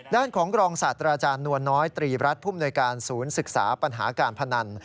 ด้านของรองศาสตราจารย์นวลน้อยตรีรัฐภูมิหน่วยการศูนย์ศึกษาปัญหาการพนัน